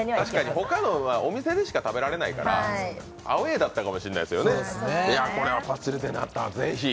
他のはお店でしか食べられないですからアウェーだったかもしれないですね。